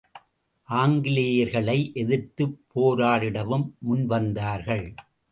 ஆங்கிலேயர்களை எதிர்த்துப் போராடிடவும் முன்வந்தார்கள்.